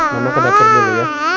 mama kedokter dulu ya